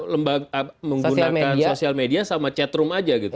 lembaga menggunakan sosial media sama chatroom aja gitu